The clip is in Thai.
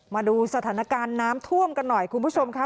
มาดูสถานการณ์น้ำท่วมกันหน่อยคุณผู้ชมค่ะ